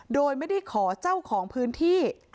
โดยไม่ได้ขอเจ้าของพื้นที่